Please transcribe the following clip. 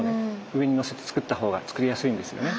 上にのせてつくった方がつくりやすいんですよね。